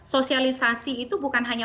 sosialisasi itu bukan hanya